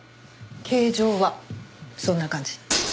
形状はそんな感じ。